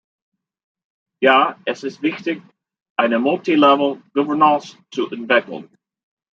Ja, es ist wichtig, eine multi level governance zu entwickeln.